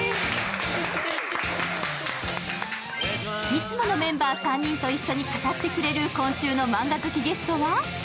いつものメンバー３人と一緒に語ってくれる今週の漫画好きゲストは？